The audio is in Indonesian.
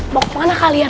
mau kemana kalian